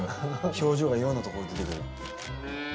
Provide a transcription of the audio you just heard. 表情がいろんなところに出てくる。